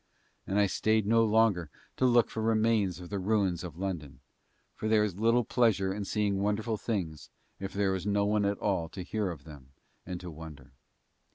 And I stayed no longer to look for remains of the ruins of London; for there is little pleasure in seeing wonderful things if there is no one at all to hear of them and to wonder.